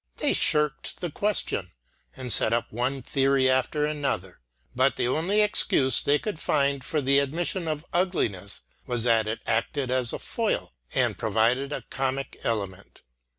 They shirked the question and set up one theory after another, but the only excuse they could find for the admission of ugliness was that it acted as a foil, and provided a comic element.